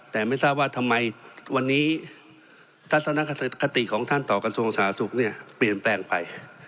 แต่ไม่ทราบว่าทำไมวันนี้ทัศนคติของท่านต่อกระทรวงสาธารณสุขเนี่ยเปลี่ยนแปลงไป